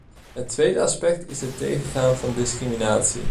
Het tweede aspect is het tegengaan van discriminatie.